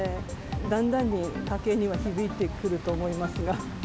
だんだんに家計には響いてくると思いますが。